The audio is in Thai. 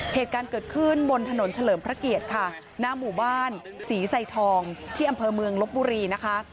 เหตุการณ์เกิดขึ้นบนถนนเฉลิมพระเกียรติค่ะหน้าหมู่บ้านศรีไซทองที่อำเภอเมืองลบบุรีนะคะ